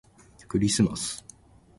クリスマス